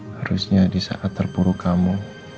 harusnya disaat terpuru kamu